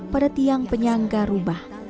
pada tiang penyangga rubah